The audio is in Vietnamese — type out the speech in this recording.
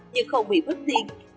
nhưng không bị bớt tiền